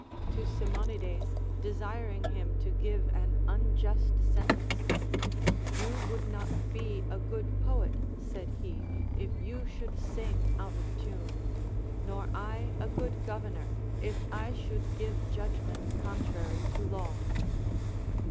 To Simonides desiring him to give an unjust sentence. You ΛνοηΜ not be a good poet, said he, if you should sing out of tune ; nor I a good governor, if I should give judgment contrary to laΛV.